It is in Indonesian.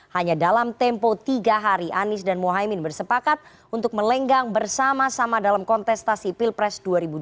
hanya dalam tempo tiga hari anies dan mohaimin bersepakat untuk melenggang bersama sama dalam kontestasi pilpres dua ribu dua puluh